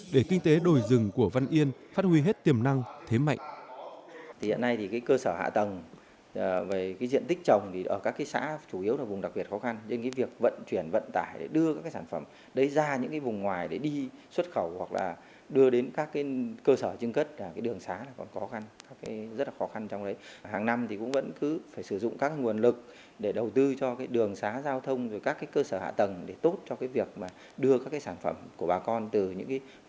để kinh tế đồi rừng của văn yên phát huy hết tiềm năng thế mạnh